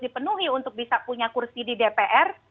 dipenuhi untuk bisa punya kursi di dpr